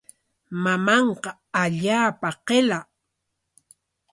Mamanqa allaapa qilla.